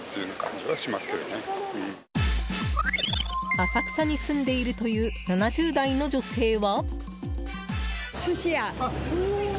浅草に住んでいるという７０代の女性は。